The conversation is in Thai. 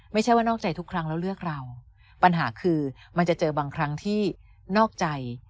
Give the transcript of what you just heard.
ไม่ใช่ว่านอกใจทุกครั้งแล้วเลือกเราปัญหาคือมันจะเจอบางครั้งที่นอกใจ